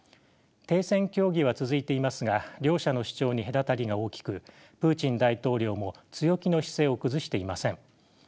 停戦協議は続いていますが両者の主張に隔たりが大きくプーチン大統領も強気の姿勢を崩していません。